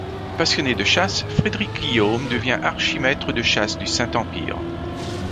Passionné de chasse, Frédéric-Guillaume devient archi-maître de chasse du Saint-Empire.